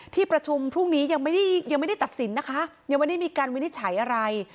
ที่ประชุมพรุ่งนี้ยังไม่ได้ยังไม่ได้ตัดสินนะคะยังไม่ได้มีการวินิจฉัยอะไร